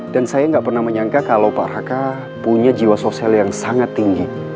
dan saya nggak pernah menyangka kalau pak raka punya jiwa sosial yang sangat tinggi